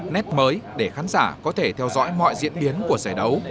nét mới để khán giả có thể theo dõi mọi diễn biến của giải đấu